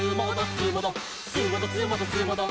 「すーもどすーもどすーもど」